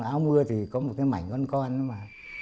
áo mưa thì có một cái mảnh con con mà